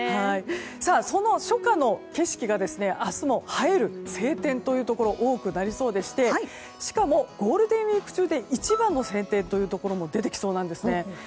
その初夏の景色が明日も映える晴天というところ多くなりそうでしてしかも、ゴールデンウィーク中で一番の晴天というところも出てきそうです。